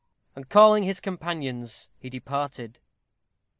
And calling his companions, he departed.